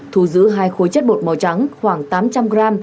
thu giữ hai khối chất bột màu trắng khoảng tám trăm linh g